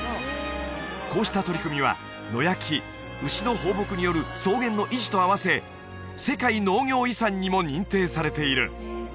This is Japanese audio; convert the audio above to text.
こうした取り組みは野焼き牛の放牧による草原の維持とあわせ世界農業遺産にも認定されている